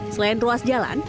selain ruas jalan